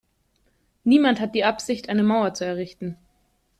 Niemand hat die Absicht eine Mauer zu errichten.